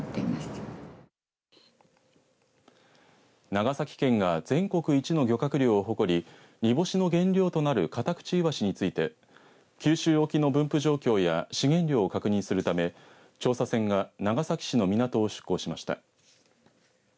長崎県が全国一の漁獲量を誇りにぼしの原料となるカタクチイワシについて九州沖の分布状況や資源量を確認するため調査船が長崎市の港を出港しました。